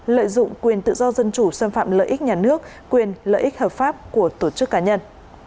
lợi dụng quyền tự do dân chủ xâm phạm lợi ích nhà nước quyền lợi ích hợp pháp của tổ chức cá nhân